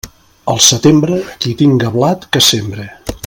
Al setembre, qui tinga blat, que sembre.